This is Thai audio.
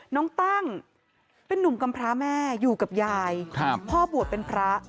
น้องตั้งเป็นนุ่มกำพร้าแม่อยู่กับยายพ่อบวชเป็นพระ